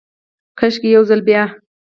کاشکي ، یو ځلې بیا،